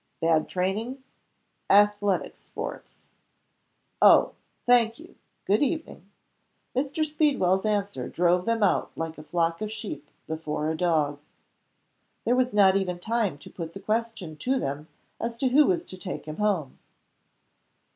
"Bad training?" "Athletic Sports." "Oh! Thank you. Good evening." Mr. Speedwell's answer drove them out like a flock of sheep before a dog. There was not even time to put the question to them as to who was to take him home.